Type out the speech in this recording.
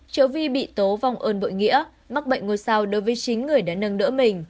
trợ vi bị tố vong ơn bội nghĩa mắc bệnh ngôi sao đối với chính người đã nâng đỡ mình